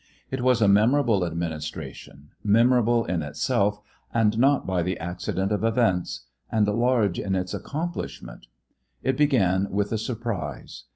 It was a memorable administration, memorable in itself and not by the accident of events, and large in its accomplishment It began with a surprise.